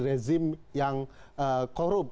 rezim yang korup